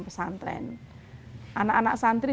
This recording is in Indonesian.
pesantren anak anak santri